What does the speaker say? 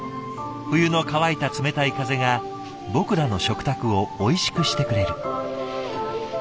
冬の乾いた冷たい風が僕らの食卓をおいしくしてくれる。